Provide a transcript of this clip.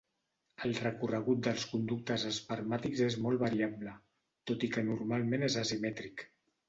El recorregut dels conductes espermàtics és molt variable, tot i que normalment és asimètric.